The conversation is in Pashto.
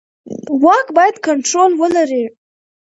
واک باید کنټرول ولري